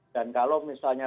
dan kalau misalnya